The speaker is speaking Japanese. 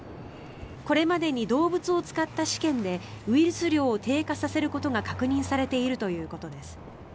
これまでに動物を使った試験でウイルス量を低下させることが確認されているということです。